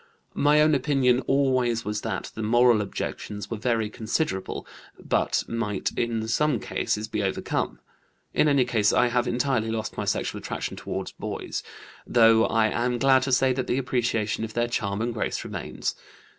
My own opinion always was that the moral objections were very considerable, but might in some cases be overcome. In any case I have entirely lost my sexual attraction toward boys; though I am glad to say that the appreciation of their charm and grace remains.